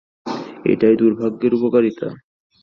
এটাই দুর্ভাগ্যের উপকারিতা।